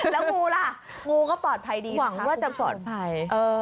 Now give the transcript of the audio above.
แล้วงูล่ะงูก็ปลอดภัยดีหวังว่าจะปลอดภัย